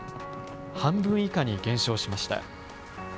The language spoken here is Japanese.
半分以下に減少しました。